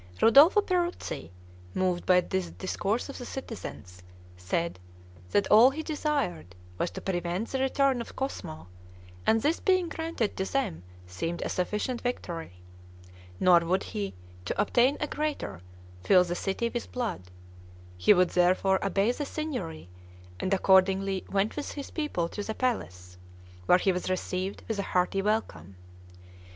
Ridolfo Peruzzi, moved by the discourse of the citizens, said, that all he desired was to prevent the return of Cosmo, and this being granted to them seemed a sufficient victory; nor would he, to obtain a greater, fill the city with blood; he would therefore obey the Signory; and accordingly went with his people to the palace, where he was received with a hearty welcome.